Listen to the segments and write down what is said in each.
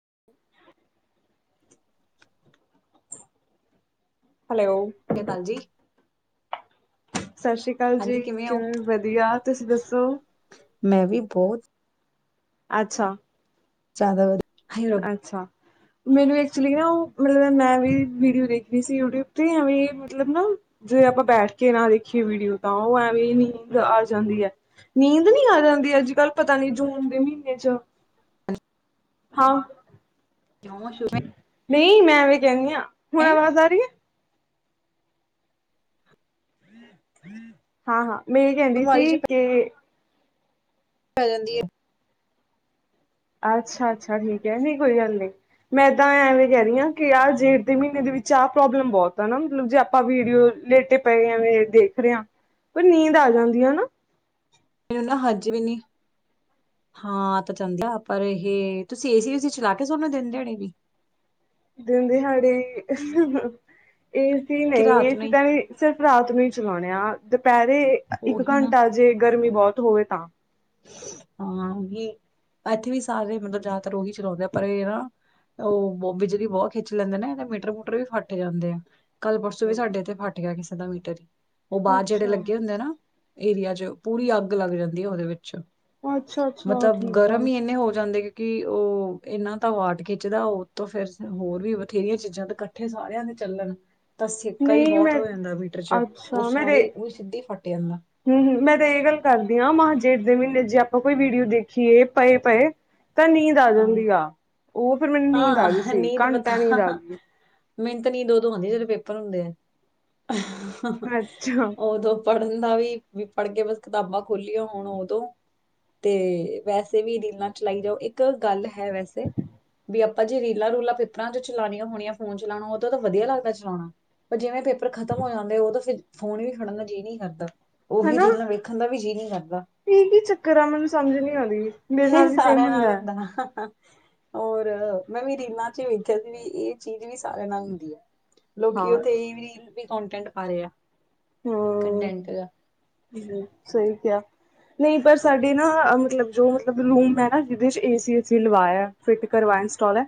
[inaudible] Hello. ਸਤਿ ਸ਼੍ਰੀ ਅਕਾਲ ਜੀ, ਸਤਿ ਸ਼੍ਰੀ ਅਕਾਲ ਹਾਂਜੀ ਜੀ, ਹੋ? ਕਿਵੇਂ ਵਧੀਆ, ਤੁਸੀਂ ਦੱਸੋ? ਮੈਂ ਵੀ ਬਹੁਤ ਅੱਛਾ। ਜ਼ਿਆਦਾ ਵਧੀ ਅੱਛਾ। [unintelligible] ਮੈਨੂੰ ਐਕਚੁਲੀ ਨਾ, ਉਹ ਮਤਲਬ ਮੈਂ ਵੀ ਵੀਡੀਓ ਦੇਖ ਰਹੀ ਸੀ, ਯੂ ਟਿਊਬ ਤੇ ਏਵੇਂ ਮਤਲਬ ਨਾ ਆਪਾਂ ਬੈਠ ਕੇ ਨਾ ਦੇਖੀਏ ਵੀਡੀਓ ਤਾਂ, ਉਹ ਐਵੇਂ ਨੀਂਦ ਆ ਜਾਂਦੀ ਹੈ, ਨੀਂਦ ਨਹੀਂ ਆ ਜਾਂਦੀ? ਅੱਜ ਕੱਲ ਪਤਾ ਨੀ, ਜੂਨ ਦੇ ਮਹੀਨੇ ਚ ਅੱਛ ਹਾਂ। [unintelligible] ਨਹੀਂ ਮੈਂ ਵੀਂ ਕਹਿੰਦੀ ਆ, ਹੁਣ ਆਵਾਜ਼ ਆ ਰਹੀ ਹੈ? ਹਾਂ ਹਾਂ ਮੈਂ ਇਹ ਕਹਿੰਦੀ ਬਿਮਾਰੀ ਜੀ ਸੀ ਕਿ ਪੈ ਜਾਂਦੀ ਹੈ। ਅੱਛਾ ਅੱਛਾ ਠੀਕ ਹੈ ਨਹੀਂ ਕੋਈ ਗੱਲ ਨਹੀਂ ਮੈਂ ਤਾਂ ਐਵੇਂ ਕਹਿ ਰਹੀ ਹਾਂ ਕਿ ਆ ਜੇਠ ਦੇ ਮਹੀਨੇ ਦੇ ਵਿੱਚ ਆਹ ਪ੍ਰੋਬਲਮ ਬਹੁਤ ਆ ਨਾ ਮਤਲਬ ਜੇ ਆਪਾਂ ਵੀਡੀਓ ਲੇਟੇ ਪਏ ਐਵੇਂ ਦੇਖ ਰਿਹਾ ਪਰ ਨੀਂਦ ਆ ਜਾਂਦੀ ਆ ਨਾ। ਮੈਨੂੰ ਨਾ ਹੱਜ ਵੀ ਨੀ ਹਾਂ ਤਾਂ ਚੰਦੇ [unintelligible] ਆ ਪਰ ਇਹ ਤੁਸੀਂ ਏਸੀ ਉਸੀ ਚਲਾ ਕੇ ਸੋਹਨੂੰ ਦਿਨ ਦਿਹਾੜੇ ਵੀ [inaudible] ਦਿੰਨ ਦਿਹਾੜੇ ਏ ਸੀ ਕਿ ਨਹੀਂ ਏ ਰਾਤ ਨੂੰ ਸੀ ਹੀ ਤਾਂ ਸਿਰਫ਼ ਰਾਤ ਨੂੰ ਹੀ ਚਲਾਉਣੇ ਆ ਦੁਪਹਿਰ ਇੱਕ ਉਹੀ ਨਾ ਘੰਟਾ ਜੇ ਗਰਮੀ ਬਹੁਤ ਹੋਵੇ ਤਾਂ ਹਾਂ ਉਹੀ ਇੱਥੇ ਵੀ ਸਾਰੇ ਮਤਲਬ ਜ਼ਿਆਦਾਤਰ ਉਹੀ ਚਲਾਉਂਦੇ ਆ ਪਰ ਇਹ ਨਾ ਉਹ ਬਿਜਲੀ ਬਹੁਤ ਖਿੱਚ ਲੈਂਦੇ ਨਾ ਇਹਦੇ ਮੀਟਰ ਮੂਟਰ ਵੀ ਫੱਟ ਜਾਂਦੇ ਆ ਕੱਲ ਪਰਸੋਂ ਵੀ ਸਾਡੇ ਇੱਥੇ ਫਟ ਗਿਆ ਕਿਸੇ ਦਾ ਮੀਟਰ ਹੀ ਉਹ ਬਾਹਰ ਜਿਹੜੇ ਅੱਛਾ। ਲੱਗੇ ਹੁੰਦੇ ਨਾ ਏਰੀਆ ਚ ਪੂਰੀ ਅੱਗ ਲੱਗ ਜਾਂਦੀ ਹੈ ਉਹਦੇ ਵਿੱਚ। ਅੱਛਾ-ਅੱਛਾ ਮਤਲਬ ਠੀਕ ਆ ਗਰਮ ਹੀ ਇੰਨੇ ਹੋ ਜਾਂਦੇ ਕਿ ਕਿ ਉਹ ਇਹਨਾਂ ਤਾਂ ਵਾਟ ਖਿੱਚਦਾ ਉਹ ਤੋਂ ਫੇਰ ਹੋਰ ਵੀ ਬਥੇਰੀਆਂ ਚੀਜ਼ਾਂ ਤੇ ਇਕੱਠੇ ਸਾਰਿਆਂ ਦੇ ਚੱਲਣ ਤਾਂ ਸੇਕਾ ਹੀ ਨਈ ਬਹੁਤ ਮੈਂ ਹੋ ਜਾਂਦਾ ਮੀਟਰ ਚ ਉਹ ਸਾਰੇ ਉਹ ਵੀ ਸਿੱਧੇ ਫੱਟ ਜਾਂਦਾ। ਹਮ ਮੈਂ ਤਾਂ ਇਹ ਗੱਲ ਕਰਦੀ ਹਾਂ ਮਹਜੇਠ ਦੇ ਮਹੀਨੇ ਜੇ ਆਪਾਂ ਕੋਈ ਵੀਡੀਓ ਦੇਖੀਏ ਪਏ ਪਏ ਤਾਂ ਨੀਂਦ ਆ ਹਾਂ ਜਾਂਦੀ ਆ ਉਹ ਫੇਰ ਮੈਨੂੰ ਨੀਂਦ ਆ ਗਈ ਸੀ ਘੰਟਾ ਨੀਂਦ ਆ ਗਈ। ਮਿਹਨਤ ਨੀ ਦੋ ਦੋ ਹੁੰਦੀ ਜਦੋਂ ਪੇਪਰ ਹੁੰਦੇ ਆ, ਅੱਛਾ ਉਦੋਂ। ਪੜ੍ਹਨ ਦਾ ਵੀ ਵੀ ਪੜ੍ਹ ਕੇ ਬਸ ਕਿਤਾਬਾਂ ਖੋਲੀਆਂ ਹੁਣ ਉਦੋਂ ਤੇ ਵੈਸੇ ਵੀ ਰੀਲਾਂ ਚਲਾਈ ਜਾਓ ਇੱਕ ਗੱਲ ਹੈ ਵੈਸੇ ਵੀ ਆਪਾਂ ਜੇ ਰੀਲਾਂ ਰੂਲਾਂ ਪੇਪਰਾਂ ਚ ਚਲਾਉਣੀਆਂ ਹੋਣ ਫੋਨ ਚਲਾਉਣਾ ਉਹ ਤਾਂ ਵਧੀਆ ਲੱਗਦਾ ਚਲਾਉਣਾ ਪਰ ਜਿਵੇਂ ਪੇਪਰ ਖਤਮ ਹੋ ਜਾਂਦੇ ਉਹ ਫਿਰ ਫੋਨ ਵੀ ਖੜਨ ਦਾ ਜੀਅ ਨਹੀਂ ਕਰਦਾ ਉਹੀ ਹਨਾ ਰੀਲਾਂ ਵੇਖਣ ਦਾ ਵੀ ਜੀਅ ਨਹੀਂ ਕਰਦਾ ਕੀ ਚੱਕਰ ਆ ਮੈਨੂੰ ਸਮਝ ਨੀ ਆਉਂਦੀ ਮੇਰੇ ਨਾਲ ਵੀ ਸੇਮ ਹੁੰਦਾ ਹੈ ਹ ਹ। ਔਰ ਮੈਂ ਵੀ ਰੀਲਾਂ ਚ ਵੇਖਿਆ ਸੀ ਵੀ ਇਹ ਚੀਜ਼ ਵੀ ਸਾਰਿਆਂ ਨਾਲ ਹੁੰਦੀ ਐ। ਲੋਕੀ ਹਾਂ ਉੱਥੇ ਇਹ ਰੀ ਵੀ ਕੋਂਟੈਂਟ ਪਾ ਰਹੇ ਆ ਹਮ ਕੰਟੈਂਟ ਦਾ ਹਮ ਸਹੀ ਕਿਹਾਿਆ ਨਹੀਂ ਪਰ ਸਾਡੇ ਨਾ ਮਤਲਬ ਜੋ ਮਤਲਬ ਰੂਮ ਹੈ ਨਾ ਜਿਹਦੇ ਚ ਏ ਸੀਏਸੀ ਲਵਾਇਆ ਫਿਟ ਕਰਵਾ ਵਾਇਨ ਸਟੋਾਲ ਹੈ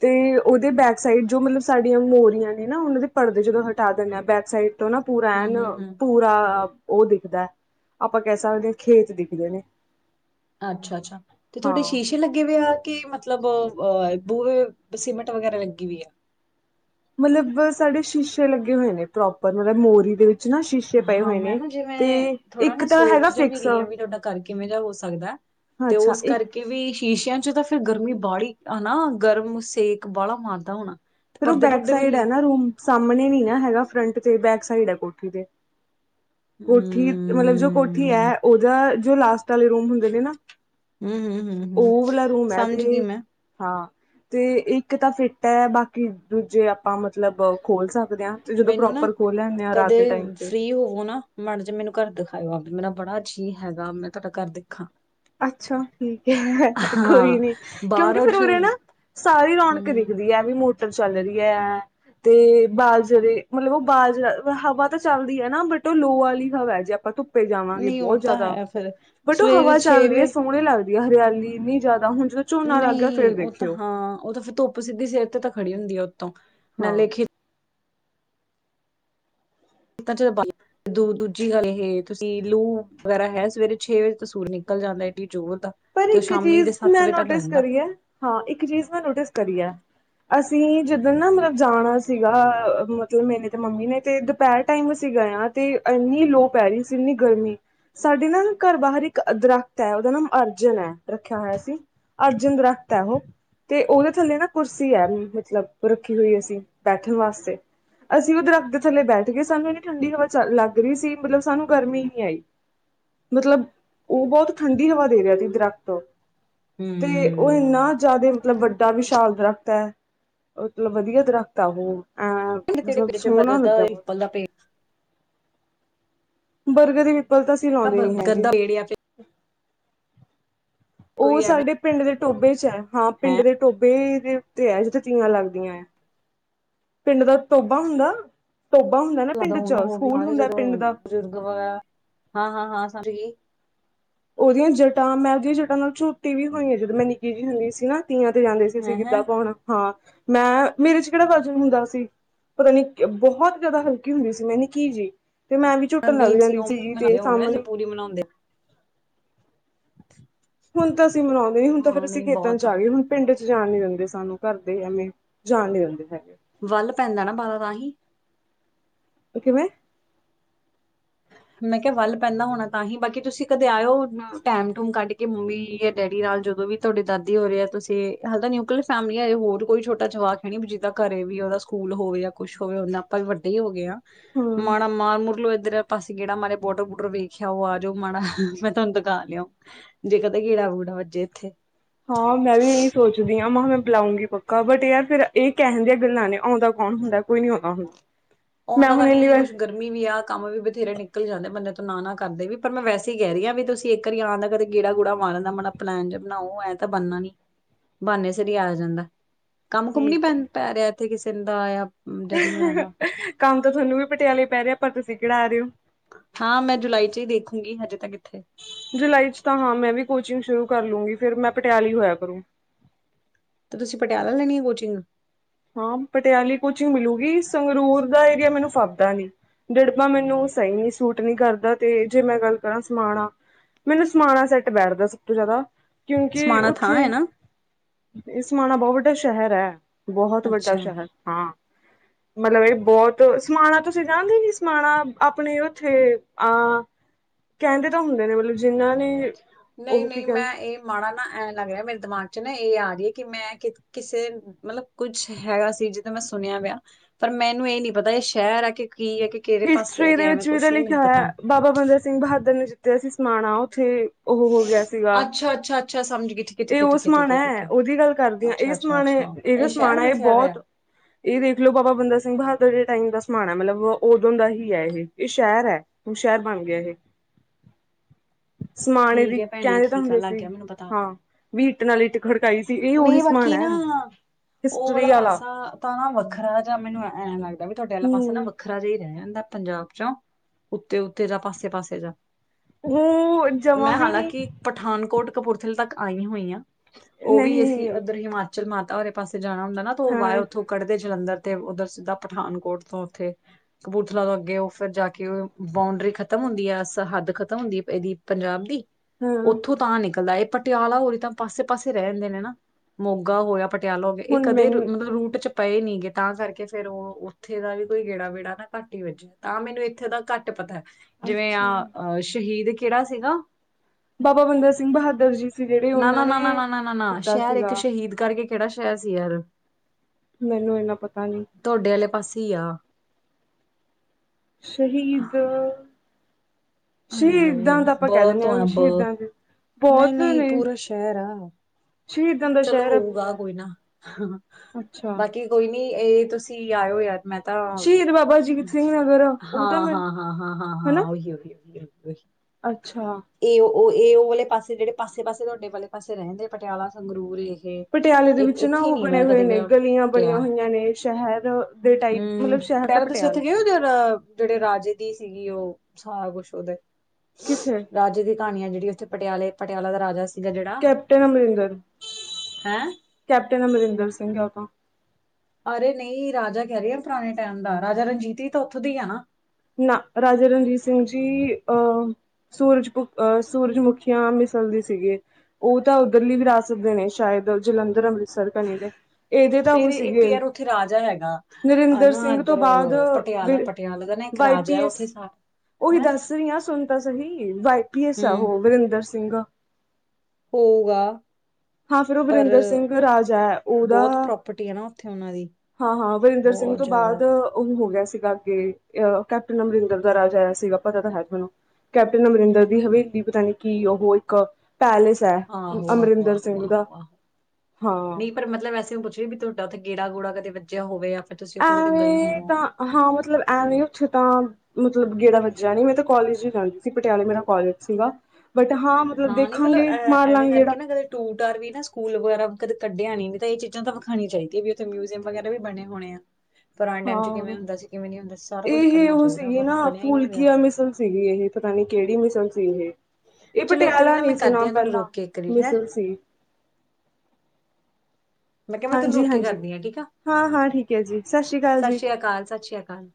ਤੇ ਉਹਦੇ ਬੈਕ ਸਾਈਡ ਜੋ ਮਤਲਬ ਸਾਡੀਆਂ ਮੋਰੀਆਂ ਨੇ ਨਾ ਉਹਨਾਂ ਦੇ ਪਰਦੇ ਜਦੋਂ ਹਟਾ ਦਿੰਦੇ ਹਾਂ ਬੈਕ ਸਾਈਡ ਤੋਂ ਨਾ ਹੂੰ ਰਹਿਣ ਹੂੰ ਹੂੰ ਪੂਰਾ ਉਹ ਦਿਖਦਾ ਆਪਾਂ ਕਹਿ ਸਕਦੇ ਹਾਂ ਖੇਤ ਦਿਖਦੇ ਨੇ ਅੱਛਾ ਅੱਛਾ ਤੇ ਤੁਹਾਡੇ ਹਾਂ ਸ਼ੀਸ਼ੇ ਲੱਗੇ ਪਏ ਆ ਕੇ ਮਤਲਬ ਅਹ ਬੂਹੇ ਸੀਮਟ ਵਗੈਰਾ ਲੱਗੀ ਵੀਈ ਆ ਮਤਲਬ ਸਾਡੇ ਸ਼ੀਸ਼ੇ ਲੱਗੇ ਹੋਏ ਨੇ ਪ੍ਰੋਪਰ ਮਤਲਬ ਮੋਰੀ ਦੇ ਵਿੱਚ ਨਾ ਸ਼ੀਸ਼ੇ ਪਏ ਹਾਂ ਹੋਏ ਮੈਂ ਨੇ ਨਾ ਜਿਵੇਂ ਤੇ ਥੋੜਾ ਇੱਕ ਨਾ ਤਾਂ ਹੈਗਾ ਸੋਚ ਜਾ ਵੀ ਫਿਕਸ ਰਹੀ ਹਾਂ ਵੀ ਤੁਹਾਡਾ ਘਰ ਕਿਵੇਂ ਜਿਹਾ ਹੋ ਸਕਦਾ ਤੇ ਅੱਛਾ ਉਸ ਇੱਕ ਕਰਕੇ ਵੀ ਸ਼ੀਸ਼ਿਆਂ ਚੋ ਤਾਂ ਫਿਰ ਗਰਮੀ ਬਾਹੜੀ ਹਨਾ ਗਰਮ ਸੇਕ ਬਾਹਲਾ ਮਾਰਦਾ ਹੋਣਾ ਤੇ ਫਿਰ ਉਹ ਪਰਦੇ ਬੈਕ ਪੁਰਦੇ ਵੀ ਸਾਈਡ ਹੈ ਲ- ਨਾ ਰੂਮ ਸਾਹਮਣੇ ਨੀ ਨਾ ਹੈਗਾ ਫਰੰਟ ਤੇ ਬੈਕ ਸਾਈਡ ਹੈ ਕੋਠੀ ਦੇ ਕੋਠੀ ਮਤਲਬ ਜੋ ਕੋਠੀ ਹੈ ਹਮ ਉਹਦਾ ਜੋ ਲਾਸਟ ਵਾਲੇ ਰੂਮ ਹੁੰਦੇ ਨੇ ਨਾ ਹਮ ਹਮ ਹਮ ਹਮ। ਉਹ ਵਾਲਾ ਰੂਮ ਹੈ ਤੇ ਸਮਝ ਗਈ ਮੈਂ ਹਾਂ ਤੇ ਇੱਕ ਤਾਂ ਫਿੱਟ ਹੈ ਬਾਕੀ ਦੂਜੇ ਆਪਾਂ ਮਤਲਬ ਖੋਲ ਸਕਦੇ ਹਾਂ ਤੇ ਜਦੋਂ ਮੈਨੂੰ ਨਾ ਪ੍ਰੋਪਰ ਖੋਲ ਲੈਂਦੇ ਹਾਂ ਕਦੇ ਰਾਤ ਦੇ ਟਾਈਮ ਤੇ ਫ੍ਰੀ ਹੋਵੋ ਨਾ ਮੜ ਜਾ ਮੈਨੂੰ ਘਰ ਦਿਖਾਓ ਆਪਨਾ, ਮੇਰਾ ਬੜਾ ਜਿਹ ਹੈਗਾ ਮੈਂ ਤੁਹਾਡਾ ਘਰ ਦੇਖਾ। ਅੱਛਾ, ਠੀਕ ਹੈ ਕੋਈ ਹਾਂ ਨੀ, ਕਿਉਂਕਿ ਬਾਹਰੋਂ ਫੇਰ ਚ ਉਰੇ ਨਾ ਸਾਰੀ ਰੌਣਕ ਹਮ, ਦਿਖਦੀ ਹੈ ਵੀ ਮੋਟਰ ਚੱਲ ਰਹੀ ਹੈ। ਤੇ ਬਾਜਰੇ ਮਤਲਬ ਉਹ ਬਾਜਰਾ, ਹਵਾ ਤਾਂ ਚੱਲਦੀ ਹੈ ਨਾ, ਬਟ ਉਹ ਲੋਅ ਵਾਲੀ ਹਵਾ ਜੇ ਆਪਾਂ ਧੁੱਪ ਪੇ ਜਾਵਾਂਗੇ ਨਹੀਂ ਉਹ ਬਹੁਤ ਤਾਂ ਜ਼ਿਆਦਾ, ਹੈ ਫਿਰ ਬਟ ਉਹ ਸਵੇਰੇ ਹਵਾ ਚੱਲਦੀ ਵਜੇ ਹੈ ਸੋਹਣੇ ਲੱਗਦੀ ਹੈ। ਹਰਿਆਲੀ ਇੰਨੀ ਜ਼ਿਆਦਾ ਹੁਣ ਜਦੋਂ ਝੋਨਾ ਲੱਗ ਗਿਆ ਫੇਰ ਨਹੀਂ, ਉਹ ਤਾਂ ਦੇਖਿਓ ਹਾਂ, ਉਹ ਤਾਂ ਫਿਰ ਧੁੱਪ ਸਿੱਧੀ ਸਿਰ ਤੇ ਤਾਂ ਖੜੀ ਹੁੰਦੀ ਆ। ਤੋਂ, ਹਾਂ ਨਾਲੇ ਖੇਤ [unintelligible] ਦੂਜੀ ਗੱਲ ਇਹ ਤੁਸੀਂ ਲੂ ਵਗੈਰਾ ਹੈ ਸਵੇਰੇ ਛੇ ਵਜੇ ਤ ਸੂਰ ਨਿਕਲ ਜਾਂਦਾ ਜ਼ੋਰ ਦਾ ਪਰ ਤੇ ਉਹ ਇੱਕ ਸ਼ਾਮੀ ਦੇ ਚੀਜ਼ ਸੱਤ ਮੈਂ ਵਜੇ ਤੱਕ ਨੋਟਿਸ ਰਹਿੰਦਾ ਕਰੀ ਹੈ, ਹਾਂ ਇੱਕ ਚੀਜ਼ ਮੈਂ ਨੋਟਿਸ ਕਰੀ ਹੈ। ਅਸੀਂ ਜਿੱਦਣ ਨਾ ਮਤਲਬ ਜਾਣਾ ਸੀਗਾ, ਮਤਲਬ ਮੇਨੇ ਤੇ ਮੰਮੀ ਨੇ, ਤੇ ਦੁਪਹਿਰ ਟਾਈਮ ਦੂਰ ਸੀਗਾ ਯਾਰ ਤੇ ਇੰਨੀ ਲੋ ਪੈ ਰਹੀ ਸੀ, ਇੰਨੀ ਗਰਮੀ ਸਾਡੇ ਨਾਲ ਘਰ ਬਾਹਰ ਇੱਕ ਦਰੱਖਤ ਹੈ ਉਹਦਾ ਨਾਂ ਅਰਜਨ ਹੈ ਰੱਖਿਆ ਹੋਇਆ ਅਸੀ, ਅਰਜਨ ਦਰਖਤ ਹੈ ਉਹ। ਤੇ ਉਹਦੇ ਥੱਲੇ ਨਾ ਕੁਰਸੀ ਹੈ ਮਤਲਬ ਰੱਖੀ ਹੋਈ ਅਸੀਂ ਬੈਠਣ ਵਾਸਤੇ। ਅਸੀਂ ਉਹ ਦਰੱਖਤ ਦੇ ਥੱਲੇ ਬੈਠ ਗਏ, ਸਾਨੂੰ ਇੰਨੀ ਠੰਡੀ ਹਵਾ ਚਲ ਲੱਗ ਰਹੀ ਸੀ, ਮਤਲਬ ਸਾਨੂੰ ਗਰਮੀ ਨੀ ਆਈ। ਮਤਲਬ, ਉਹ ਬਹੁਤ ਠੰਡੀ ਹਵਾ ਦੇ ਰਿਹਾ ਸੀ ਦਰਖਤ। ਤੇ ਉਹ ਇੰਨਾ ਹਮ ਜ਼ਿਆਦਾ ਮਤਲਬ ਵੱਡਾ ਵਿਸ਼ਾਲ ਦਰੱਖਤ ਹੈ। ਮਤਲਬ ਵਧੀਆ ਦਰੱਖਤ ਆ ਉਹ। ਅਹ ਤੇਰੇ ਮਤਲਬ ਪੇੜ ਚ ਸੋਹਣਾ ਬਗਦਾ ਲੱਗਾ ਬਹੁਤ। ਪਿੱਪਲ ਦਾ ਪੇੜ ਬਰਗਰ ਦੀ ਪਿੱਪਲ ਤਾਂ ਅਸੀਂ ਲਾਉਂਦੇ ਨੀ ਹੈਗੇ। ਗੰਦਾ ਪੇੜ ਆ ਫਿਰ ਉਹ ਕੋਈ ਐਵੇਂ ਸਾਡੇ ਪਿੰਡ ਦੇ ਟੋਭੇ ਚ ਹੈ, ਹਾਂ ਪਿੰਡ ਹੈਂ ਦੇ ਟੋਭੇ ਦੇ ਉਤੇ ਹੈ, ਜਿਥੇ ਟਿਨਾਂ ਲੱਗਦੀਆਂ ਹੈ। ਪਿੰਡ ਦਾ ਤੋਬਾ ਹੁੰਦਾ ਟੋਭਾ ਹੁੰਦਾ ਨਾ ਜਦੋਂ ਪਿੰਡ ਆਉਣਾ ਚ ਓਹ ਵੀ ਸਕੂਲ ਆਇਓ, ਹੁੰਦਾ ਜਦੋਂ ਪਿੰਡ ਦਾ ਬਜ਼ੁਰਗ ਵਗੇਰਾ, ਹਾਂ-ਹਾਂ-ਹਾਂ ਸਮਝ ਗਈ। ਉਹਦੀਆਂ ਜਟਾਂ, ਮੈਂ ਉਹਦੀਆਂ ਜਟਾਂ ਨਾਲ ਝੋਤੀ ਵੀ ਹੋਈਆਂ, ਜਦੋਂ ਮੈਂ ਨਿੱਕੀ ਜਿਹੀ ਹੁੰਦੀ ਸੀ ਨਾ। ਤੀਆਂ ਤੇ ਜਾਂਦੇ ਸੀ ਅਸੀਂ ਹੈਂ ਗਿੱਧਾ ਹੈਂ ਪਾਉਣ ਹਾਂ, ਮੈਂ ਮੇਰੇ ਚ ਕਿਹੜਾ ਵਜਨ ਹੁੰਦਾ ਸੀ। ਪਤਾ ਨੀ, ਬਹੁਤ ਜਿਆਦਾ ਹਲਕੀ ਹੁੰਦੀ ਸੀ ਮੈਂ, ਨੀਕੀ ਜਿਹੀ। ਤੇ ਮੈਂ ਵੀ ਝੁੱਟਣ ਲੱਗ ਬੀਰ ਸੀ ਜਾਂਦੀ ਉਹ ਵੀ ਸੀਗੀ, ਤੇ ਮਨਾਉਂਦੇ ਹੋਣਗੇ ਨਾ ਜੇ ਸਾਹਮਣੇ ਪੂਰੀ ਮਨਾਉਂਦੇ ਹੁਣ ਤਾਂ ਅਸੀਂ ਮਨਾਉਂਦੇ ਨਹੀਂ, ਹੁਣ ਤਾਂ ਫਿਰ ਹਾਂ ਅਸੀਂ ਨਹੀਂ ਖੇਤਾਂ ਚ ਬਹੁਤ ਆ ਗਏ, ਹੁਣ ਪਿੰਡ ਚ ਜਾਨ ਨੀ ਦਿੰਦੇ ਸਾਨੂੰ ਘਰਦੇ ਐਵੇਂ ਜਾਨ ਨੀ ਦਿੰਦੇ ਹੈ। ਵੱਲ ਪੈਂਦਾ ਨਾ ਬਾਲਾ ਤਾਂ ਹੀ ਓ ਕਿਵੇਂ? ਮੈਂ ਕਿਆ ਵੱਲ ਪੈਂਦਾ ਹੋਣਾ ਤਾਂ ਹੀ ਬਾਕੀ ਤੁਸੀਂ ਕਦੇ ਆਇਓ ਮ ਟੈਮ-ਟੂਮ ਕੱਢ ਕੇ ਮੰਮੀ ਯਾ ਡੈਡੀ ਨਾਲ ਜਦੋਂ ਵੀ ਤੁਹਾਡੇ ਦਾਦੀ ਹੋਰ ਯਾ ਤੁਸੀਂ, ਹਜੇ ਤਾਂ ਨੁਕਲੀਅਰ ਫੈਮਲੀ ਐ, ਹਜੇ ਹੋਰ ਕੋਈ ਛੋਟਾ ਜਵਾਕ ਹੈ ਨੀ, ਬ ਜਿੱਦਾ ਘਰੇ ਵੀ ਉਹਦਾ ਸਕੂਲ ਹੋਵੇ ਯਾ ਕੁਛ ਹੋਵੇ, ਹੁਣ ਆਪਾਂ ਵੀ ਵੱਡੇ ਹੀ ਹੋ ਗਏ ਹਾਂ, ਹੂੰ ਮਾੜਾ ਮਾਰ ਮੁਰ ਲੋੋ ਇੱਧਰ ਪਾਸੇ ਗੇੜਾ ਮਾਰ ਆਓ, ਬੋਡਰ ਬੂਡਰ ਵੇਖਿਆ ਆਓ, ਆ ਜਾਓ ਮਾੜਾ, ਮੈਂ ਤੁਹਾਨੂੰ ਦਿਖਾ ਲਿਆਓ, ਜੇ ਕਦੇ ਗੇੜਾ ਗੁੱਡ ਵਜੇ ਇੱਥੇ? ਹਾਂ ਮੈਂ ਵੀ ਇਹੀ ਸੋਚਦੀ ਹਾਂ ਮਹਾ ਬੁਲਾਉਂਗੀ ਪੱਕਾ, ਬਟ ਯਾਰ ਫਿਰ ਇਹ ਕਹਿਣ ਦੀਆਂ ਗੱਲਾਂ ਨੇ, ਆਉਂਦਾ ਕੌਣ ਹੁੰਦਾ? ਕੋਈ ਨੀ ਆਉਂਦਾ ਹੁੰਦਾ। ਮੈਂ ਆਉਂਦਾ ਤਾਂ ਹੁਣ ਇੰਨੀ ਨਹੀਂ, ਵਾਰ ਕੁਛ ਗਰਮੀ ਵੀ ਆ, ਕੰਮ ਵੀ ਬਥੇਰੇ ਨਿਕਲ ਜਾਂਦੇ ਬੰਦੇ ਤੋਂ। ਨਾ-ਨਾ ਕਰਦੇ ਵੀ, ਪਰ ਮੈਂ ਵੈਸੇ ਹੀ ਕਹਿ ਰਹੀ ਵੀ ਤੁਸੀਂ ਇੱਕ ਆਰੀ ਆਉਣ ਦਾ ਕਦੇ ਗੇੜਾ ਗੂੜਾ ਮਾਰਨ ਦਾ ਮੜਾ ਪਲੈਨ ਜਾ ਬਣਾਓ। ਤਾਂ ਬੰਨਾ ਨਹੀਂ, ਬਹਾਨੇ ਸਿਰ ਹੀ ਆਯਾ ਜਾਂਦਾ ਏ। ਕੰਮ ਕੁੁੰਮ ਨੀ ਠੀਕ ਹੈ ਪੈਦ ਪੈ ਰਿਹਾ ਇੱਥੇ ਕਿਸੇ ਦਾ, ਜਾਂ ਡੈਡੀ ਹੋਰਾਂ ਦਾ? ਕੰਮ ਤਾਂ ਤੁਹਾਨੂੰ ਵੀ ਪਟਿਆਲੇ ਪੈ ਰਿਹਾ, ਪਰ ਤੁਸੀਂ ਕਿਹੜਾ ਆ ਰਹੇ ਹੋ। ਹਾਂ ਮੈਂ ਜੁਲਾਈ ਚ ਹੀ ਦੇਖੂੰਗੀ, ਹਜੇ ਤੇ ਕਿੱਥੇ? ਜੁਲਾਈ ਚ ਤਾਂ ਹਾਂ ਮੈਂ ਵੀ ਕੋਚਿੰਗ ਸ਼ੁਰੂ ਕਰ ਲੂੰਗੀ, ਫਿਰ ਮੈਂ ਪਟਿਆਲੀ ਹੋਇਆ ਕਰੂੰ। ਤੇ ਤੁਸੀਂ ਪਟਿਆਲਾ ਲੈਣੀ ਹੈ ਕੋਚਿੰਗ? ਹਾਂ ਪਟਿਆਲੇ ਹੀ ਕੋਚਿੰਗ ਮਿਲੂਗੀ, ਸੰਗਰੂਰ ਦਾ ਏਰੀਆ ਮੈਨੂੰ ਫਪਦਾ ਨਹੀਂ। ਡੜਬਾ ਮੈਨੂੰ ਸਹੀ ਨਹੀਂ ਸੂਟ ਨਹੀਂ ਕਰਦਾ, ਤੇ ਜੇ ਮੈਂ ਗੱਲ ਕਰਾਂ ਸਮਾਨ ਆ ਮੈਨੂੰ ਸਮਾਣਾਂ ਸੈੱਟ ਬੈਠਦਾ ਸਭ ਤੋਂ ਜ਼ਿਆਦਾ। ਕਿਉਂਕਿ ਸਮਾਣਾ ਥਾਂ ਉੱਥੇ, ਹੈ ਨਾ ਇਹ ਸਮਾਣਾਂ ਬਹੁਤ ਵੱਡਾ ਸ਼ਹਿਰ ਹੈ। ਬਹੁਤ ਵੱਡਾ ਅੱਛਾ ਸ਼ਹਿਰ, ਹਾਂ, ਮਤਲਬ ਇਹ ਬਹੁਤ ਸਮਾਨਾ ਤੁਸੀਂ ਜਾਨਦੇ ਨੀ ਸਮਾਨਾ, ਆਪਣੇ ਉੱਥੇ ਆ ਕੈਂਦੇ ਤਾਂ ਹੁੰਦੇ ਨੇ ਮਤਲਬ ਜਿਨ੍ਹਾਂ ਨੇ ਨਈ ਉਹ ਕੀ ਨਈ ਮੈ ਕਹਿੰਦੇ ਇਹ ਮਾੜਾ ਨਾ ਐਂ ਲੱਗ ਰਿਆ ਮੇਰੇ ਦਿਮਾਗ ਨਾ ਇਹ ਆ ਰਹੀ ਏ ਕਿ ਮੈਂ, ਕਿਸੇ ਮਤਲਬ ਕੁੱਛ ਹੈਗਾ ਸੀ ਜਿਦਾਂ ਮੈਂ ਸੁਣਿਆ ਪਿਆ ਪਰ ਮੈਨੂੰ ਏ ਨੀ ਪਤਾ ਏ ਸ਼ਹਿਰ ਐ ਕੇ ਹਿਸਟਰੀ ਦੇ ਵਿੱਚ ਵੀ ਤਾਂ ਲਿਖਿਆ ਮੈਨੂੰ ਹੋਇਆ ਪਤਾ ਬਾਬਾ ਬੰਦਾ ਸਿੰਘ ਬਹਾਦਰ ਨੇ ਜਿੱਤਿਆ ਸੀ ਸਮਾਣਾ ਉੱਥੇ ਉਹ ਹੋ ਗਿਆ ਸੀਗਾ, ਅੱਛਾ ਅੱਛਾ ਅੱਛਾ ਸਮਝ ਗਈ ਠੀਕ ਹੈ ਇਹ ਠੀਕ ਹੈ ਓ ਠੀਕ ਹੈ ਸਮਾਨ ਠੀਕ ਹੈ ਠੀਕ ਐ ਹੈ ਉਹਦੀ ਗੱਲ ਕਰਦੀ ਆ ਇਹ ਅੱਛਾ ਅੱਛਾ ਸਮਾਨ ਅੱਛਾ ਇਹੋ ਸਮਾਨ ਸ਼ਹਿਰ ਹੈ ਇਹ ਬਸਿਆ ਹੋਇਆ ਬਹੁਤ, ਇਹ ਦੇਖਲੋ ਬਾਬਾ ਬੰਦਾ ਸਿੰਘ ਬਹਾਦਰ ਦੇ ਟਾਈਮ ਦਾ ਸਮਾਨ ਐ ਮਤਲਬ ਓ ਉਦੋਂ ਦਾ ਹੀ ਹੈ ਇਹ, ਇਹ ਸ਼ਹਿਰ ਹੈ। ਹੁਣ ਸ਼ਹਿਰ ਬਨ ਗਿਆ ਇਹ ਸਮਾਣੇ ਵੀ, ਠੀਕ ਹੈ ਭੈਣੇ ਕਹਿਂਦੇ ਤਾਂ ਠੀਕ ਆ ਹੁੰਦੇ ਲੱਗ ਸੀ, ਗਿਆ ਮੈਨੂੰ ਪਤਾ ਹਾਂ, ਵੀ ਇੱਟ ਨਾਲ ਇੱਟ ਖੜਕਾਈ ਸੀ ਇਹ ਉਹੀ ਨਹੀਂ ਬਾਕੀ ਸਮਾਣਾ ਨਾ, ਹੈ ਉਹ ਵਾਲਾ ਪਾਸਾ ਤਾਂ ਨਾ ਵੱਖਰਾ ਜਾਂ ਮੈਨੂੰ ਐਂ ਲੱਗਦਾ। ਉਹ [unintelligible] ਤੁਹਾਡੇ ਆਲਾ ਪਾਸਾ ਨਾ ਹਮ ਵੱਖਰਾ ਜੇਈ ਰੈ ਆਂਦਾ ਪੰਜਾਬ 'ਚੋਂ, ਉੱਤੇ ਉੱਥੇ ਜਾ ਪਾਸੇ ਪਾਸੇ ਜਾ ਉਹ ਜਮਾ ਮੈਂ ਵੀ ਹਾਲਾਂ ਨੀ ਕਿ, ਪਠਾਨਕੋਟ ਕਪੂਰਥਲਾ ਤੱਕ ਆਈ ਹੋਈ ਆ, ਉਹ ਵੀ ਅਸੀਂ ਨਹੀਂ ਉੱਧਰ ਹਿਮਾਚਲ ਮਾਤਾ ਆਲੇ ਪਾਸੇ ਜਾਨਾ ਹੁੰਦਾ ਨਾ ਉਥੋ ਵਾਯਾ ਹਾਂ ਉੱਥੋਂ ਕੱਢਦੇ ਜਲੰਧਰ ਤੇ ਉੱਧਰ ਸਿੱਧਾ ਪਠਾਨਕੋਟ ਤੋਂ ਉੱਥੇ, ਕਪੂਰਥਲਾ ਤੋਂ ਅੱਗੇ ਉਹ ਫਿਰ ਜਾ ਕੇ ਬਾਊਂਡਰੀ ਖ਼ਤਮ ਹੁੰਦੀ ਆ, ਸਰਹੱਦ ਖ਼ਤਮ ਹੁੰਦੀ, ਇਹਦੀ ਪੰਜਾਬ ਦੀ। ਹਾਂ ਉੱਥੋਂ ਤਾਂ ਨਿਕਲਦਾ ਇਹ ਪਟਿਆਲਾ ਹੋਰ ਤਾਂ ਪਾਸੇ ਪਾਸੇ ਰਹਿਂਦੇ ਨੇ ਨਾ, ਮੋਗਾ ਹੋਇਆ ਪਟ ਟਿਆਲੋ ਗੇ ਇਹ ਹੁਣ ਕਦੇ [unintelligible] ਮੈਨੂੰ ਮਤਲਬ ਰੂਟ ਚ ਪਏ ਨੀ ਗੇ ਤਾਂ ਕਰਕੇ ਫਿਰ ਉਹ, ਉੱਥੇ ਦਾ ਵੀ ਕੋਈ ਗੇੜਾ-ਵੇੜਾ ਨਾ ਘੱਟ ਈ ਵੱਜਿਆ ਤਾਂ ਮੈਨੂੰ ਇੱਥੇ ਦਾ ਘੱਟ ਪਤਾ। ਜਿਵੇਂ ਅੱਛਾ ਆ, ਅਹ ਸ਼ਹੀਦ ਕੇੜਾ ਸੀਗਾ ਬਾਬਾ ਬੰਦਾ ਸਿੰਘ ਬਹਾਦਰ ਜੀ ਸੀ ਜਿਹੜੇ ਨਾ ਨਾ ਉਹਨਾਂ ਨਾ ਨੇ ਨਾ ਨਾ ਨਾ ਨਾ ਕੀਤਾ ਸ਼ਹਿਰ ਇੱਕ ਸੀਗਾ ਸ਼ਹੀਦ ਕਰਕੇ ਕਿਹੜਾ ਸ਼ਹਿਰ ਸੀ ਯਾਰ ਮੈਨੂੰ ਇੰਨਾ ਪਤਾ ਨੀ ਘਿਆ [unintelligible] ਸ਼ਹੀਦ ਆਏ ਸ਼ਹੀਦਾਂ ਹਾਏ ਤਾਂ ਆਪਾਂ ਬ ਕਹਿ ਦਿੰਦੇ ਤੋਂ ਹਾਂ ਆ ਵੀ ਬ ਸ਼ਹੀਦਾਂ ਦੇ ਬਹੁਤ ਨਈ-ਨਈ ਨੇ ਪੂਰਾ ਸ਼ਹਿਰ ਆ। ਸ਼ਹੀਦਾਂ ਦਾ ਚਲੋ ਸ਼ਹਿਰ ਹੈ ਹੋਊਗਾ ਪੂਰਾ ਕੋਈ ਨਾ, ਅੱਛਾ ਬਾਕੀ ਕੋਈ ਨੀ ਇਹ ਤੁਸੀਂ ਆਇਓ ਯਾਰ। ਮੈਂ ਤਾਂ, ਸ਼ਹੀਦ ਬਾਬਾ ਅਜੀਤ ਸਿੰਘ ਨਗਰ ਉਹ ਹਾਂ ਤਾਂ ਮੈਂ ਹਾਂ ਹਾਂ ਹਾਂ ਹਾਂ ਹਨਾ ਹਾਂ ਉਹੀ ਉਹੀ। ਉਹੀ। ਅੱਛਾ ਇਹ ਉਹ ਉਹ ਇਹ ਉਹ ਵਾਲੇ ਪਾਸੇ ਜਿਹੜੇ ਪਾਸੇ- ਪਾਸੇ ਤੁਹਾਡੇ ਵਾਲੇ ਪਾਸੇ ਰਹਿੰਦੇ ਪਟਿਆਲਾ ਸੰਗਰੂਰ ਏ ਪਟਿਆਲੇ ਦੇ ਵਿੱਚ ਨਾ ਉਹ ਬਨੇ ਹੋਏ ਨੇ ਗਲੀਆਂ ਪਿਆ ਬਣੀਆਂ ਹੋਈਆਂ ਨੇ ਸ਼ਹਿਰ ਦੇ ਟਾਈਪ ਮਤਲਬ ਸ਼ਹਿਰ ਤਾਂ ਪੈਲਾਂ ਤੁਸੀਂ ਉਥੇ ਪਟਿਆਲਾ ਗਏ ੳ ਜਰਾਂ, ਜੇੜੇ ਰਾਜੇ ਕੀ ਸੀਗੀ ਉਹ, ਸਾਲ ਕੁਛ ਉਹਦੇ, ਕਿੱਥੇ ਰਾਜੇ ਦੀ ਕਹਾਣੀਆਂ ਜਿਹੜੀ ਉੱਥੇ ਪਟਿਆਲੇ ਪਟਿਆਲਾ ਦਾ ਰਾਜਾ ਸੀ। ਕੈਪਟਨ ਅਮਰਿੰਦਰ, ਹੈ ਕੈਪਟਨ ਅਮਰਿੰਦਰ ਸਿੰਘ ਹੈ ੳਹ ਤਾਂ ਅਰੇ ਨਈ ਰਾਜਾ ਕੈ ਰੇ ਆ ਪੁਰਾਣੇ ਟੈਮ ਦਾ ਰਾਜਾ ਰਣਜੀਤ ਹੀ ਤਾਂ ਉੱਥੋਂ ਦੇ ਹੀ ਆ ਨਾ। ਨਾ ਰਾਜੇ ਰਣਜੀਤ ਸਿੰਘ ਜੀ ਅਹ ਸੂਰਜ ਅਹ ਸੂਰਜਮੁਖੀਆਂ ਮਿਸਲਦੇ ਸੀਗੇ, ਉਹ ਤਾਂ ਉੱਧਰਲੀ ਵਿਰਾਸਤ ਦੇ ਨੇ ਸ਼ਾਇਦ ਜਲੰਧਰ ਅਮ੍ਰਿਤ ਸਰ ਤੇ ਨੀ ਦੇ ਇਹਦੇ ਤਾਂ ਫਿਰ ਉਹ ਇੱਕ ਸੀਗੇ ਯਾਰ ਉੱਥੇ ਰਾਜਾ ਹੈਗਾ ਆ ਨਰਿੰਦਰ ਨਾ ਸਿੰਘ ਤੋਂ ਇੱਧਰ ਬਾਅਦ ਪਟਿਆਲਾ ਪਟਿਆਲਾ ਦਾ ਨਈ ਵਾਏ ਪੀ ਐਸ ਉਹੀ ਦੱਸ ਰੀ ਹਾਂ ਸੁਣ ਤਾਂ ਸਹੀ ਵਾਈ ਪੀ ਐਸ ਆ ਹੂੰ ਹੋ ਵਰਿੰਦਰ ਸਿੰਘ ਹੋਊਗਾ ਹਾਂ ਫਿਰ ਉਹ ਪਰ ਵਰਿੰਦਰ ਸਿੰਘ ਰਾਜਾ ਹੈ ਉਹਦਾ ਬਹੁਤ ਪ੍ਰਾਪਰਟੀ ਹੈ ਨਾ ਉੱਥੇ ਉਹਨਾਂ ਦੀ ਹਾਂ-ਹਾਂ ਵਰਿੰਦਰ ਸਿੰਘ ਬਹੁਤ ਤੋਂ ਜ਼ਿਆਦਾ ਬਾਅਦ ਉਹ ਹੋ ਗਿਆ ਸੀ ਸੀਗਾ ਅੱਗੇ ਅ ਕੈਪਟਨ ਅਮਰਿੰਦਰ ਦਾ ਰਾਜਾ ਆਇਆ ਸੀਗਾ ਪਤਾ ਤਾਂ ਹੈ ਤੁਹਾਨੂੰ ਕੈਪਟਨ ਅਮਰਿੰਦਰ ਦੀ ਹਵੇਲੀ ਪਤਾ ਨੀ ਕੀ ਉਹ ਇੱਕ ਪੈਲੇਸ ਹੈ ਅਮਰਿੰਦਰ ਸਿੰਘ ਦਾ ਆਹੋ-ਆਹੋ ਹਾਂ ਨਹੀਂ ਪਰ ਮਤਲਬ ਵੈਸੇ ਪੁੱਛਦੇ ਵੀ ਤੁਹਾਡਾ ਉੱਥੇ ਗੇੜਾ-ਗੂੜਾ ਕਦੇ ਵੱਜਿਆ ਹੋਵੇ ਫਿਰ ਤੁਸੀਂ ਉੱਥੇ ਕਦੇ ਗਏ ਐਵੇਂ ਹੋਵੋ ਤਾਂ ਹਾਂ ਮਤਲਬ ਐਵੇਂ ਉਛ ਤਾਂ ਮਤਲਬ ਗੇੜਾ ਵੱਜਿਆ ਨਹੀਂ ਮੈਂ ਤਾਂ ਕੋਲਜ ਹੀ ਜਾਂਦੀ ਸੀ ਪਟਿਆਲੇ ਮੇਰਾ ਕੋਲਜ ਸੀਗਾ। ਬਟ ਮਤਲਬ ਹਾਂ ਨੀ ਮਤਲਬ ਦੇਖਾਂਗੇ ਐ ਮਾਰ ਐਵੇਂ ਲਾਂਗੇ ਗੇੜਾ ਕਰਕੇ ਨਾ ਕਦੇ ਟੂਰ-ਟਾਰ ਵੀ ਨਾ ਸਕੂਲ ਵਗੈਰਾ ਕਦੇ ਕੱਢਿਆ ਨੀ ਨਹੀ ਤਾਂ ਇਹ ਚੀਜ਼ਾਂ ਤਾਂ ਵਿਖਾਣੀਆਂ ਚਾਹੀਦੀਆ ਵੀ ਉੱਥੇ ਮਿਊਜ਼ੀਅਮ ਵਗੈਰਾ ਵੀ ਬਣੇ ਹੋਣੇ ਆ। ਪੁਰਾਣੇ ਟਾਈਮ 'ਚ ਹਾਂ ਕਿਵੇਂ ਹੁੰਦਾ ਸੀ ਕਿਵੇਂ ਨਹੀਂ ਹੁੰਦਾ ਸੀ ਸਾਰਾ ਕੁਝ ਇਹ ਕਰਨਾ ਉਹ ਚਾਹੀਦਾ ਸੀਗੀ ਪਰ ਨਾ ਬਣਿਆ ਹੀ ਨਹੀਂ ਹੋਇਆ ਫੁਲਕੀਆਂ ਮਿਸਲ ਸੀਗੀ ਇਹ ਤਾਂ ਕਿਹੜੀ ਮਿਸਲ ਸੀ ਇਹ। ਇਹ ਚਲੋ ਇੱਕ ਵਾਰੀ ਪਟਿਆਲਾ ਨਾ ਮੈਂ ਨਹੀਂ ਸੀ ਕਰਦੀ ਹਾਂ ਤੁਹਾਨੂੰ ਪਹਿਲਾਂ ਰੁਕ ਕੇ ਇੱਕ ਵਾਰੀ ਹੈਂ। ਮਿਸਲ ਸੀ ਮੈਂ ਕਿਹਾ ਮੈਂ ਤੈਨੂੰ ਰੁਕੇ ਕੇ ਹਾਂਜੀ-ਹਾਂਜੀ। ਕਰਦੀ ਆ ਠੀਕ ਆ। ਹਾਂ-ਹਾਂ ਠੀਕ ਹੈ ਜੀ ਸਤਿ ਸ਼੍ਰੀ ਅਕਾਲ ਸਤਿ ਜੀ। ਸ੍ਰੀ ਅਕਾਲ ਸਤਿ ਸ੍ਰੀ ਅਕਾਲ।